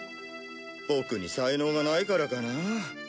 ボクに才能がないからかな。